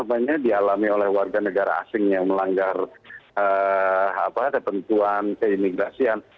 di mana yang dialami oleh warga negara asing yang melanggar ketentuan keimigrasian